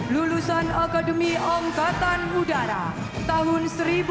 lulusan akademi angkatan udara tahun seribu sembilan ratus sembilan puluh